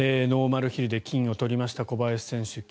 ノーマルヒルで金を取りました小林選手。